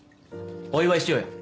お祝いしようよ。